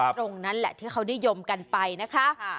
ตรงนั้นแหละที่เขานิยมกันไปนะคะ